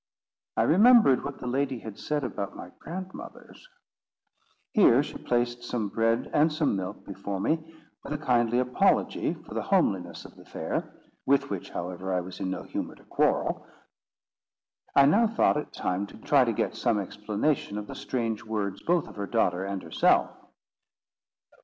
I remembered what the lady had said about my grandmothers. Here she placed some bread and some milk before me, with a kindly apology for the homeliness of the fare, with which, however, I was in no humour to quarrel. I now thought it time to try to get some explanation of the strange words both of her daughter and herself.